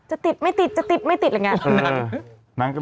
จะติดไม่ติดจะติดไม่ติดอะไรอย่างนี้